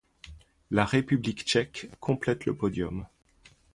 La République tchèque complète le podium.